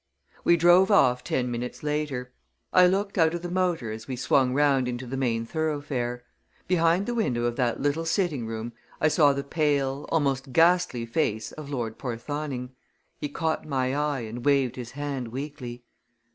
We drove off ten minutes later. I looked out of the motor as we swung round into the main thoroughfare. Behind the window of the little sitting room I saw the pale, almost ghastly face of Lord Porthoning. He caught my eye and waved his hand weakly.